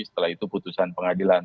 setelah itu putusan pengadilan